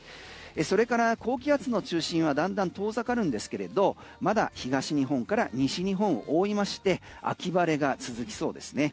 それから高気圧の中心はだんだん遠ざかるんですけれどまだ東日本から西日本を覆いまして秋晴れが続きそうですね。